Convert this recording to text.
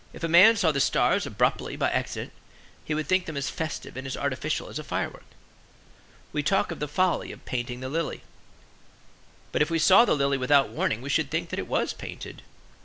If a man saw the stars abruptly by accident he would think them as festive and as artificial as a firework. We talk of the folly of painting the lily; but if we saw the lily without warning we should think that it was painted.